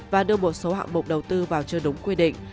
và đưa một số hạng mục đầu tư vào chưa đúng quy định